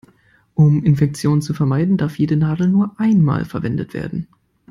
Um Infektionen zu vermeiden, darf jede Nadel nur einmal verwendet werden.